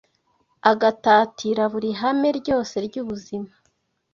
agatatira buri hame ryose ry’ubuzima.